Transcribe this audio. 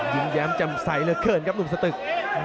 ยืมแย้มจำใสและเคลื่อนครับนุ่มสตึก